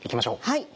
はい。